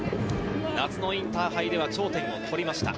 夏のインターハイでは頂点を取りました。